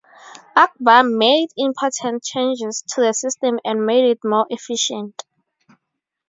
Akbar made important changes to the system and made it more efficient.